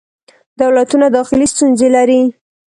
دولتونه داخلې ستونزې لري.